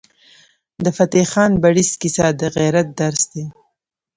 د فتح خان بړیڅ کیسه د غیرت درس دی.